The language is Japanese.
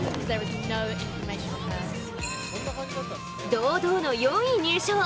堂々の４位入賞。